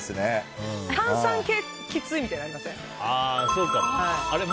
炭酸系きついみたいなのありません？